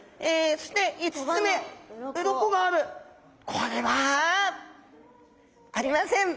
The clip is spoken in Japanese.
これはありません。